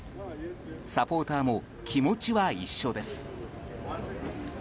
サポーターも気持ちは一緒です。